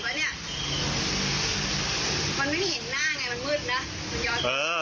มันไม่ได้เห็นหน้าไงมันมืดนะมันยอด